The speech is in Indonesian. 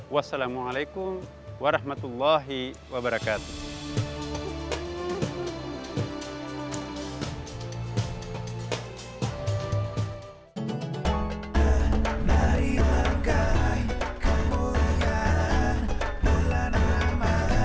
wassalamualaikum warahmatullahi wabarakatuh